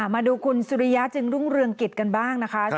มาดูคุณสุริยะจึงรุ่งเรืองกิจกันบ้างนะคะ